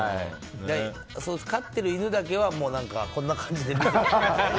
飼っている犬だけはこんな感じで見てます。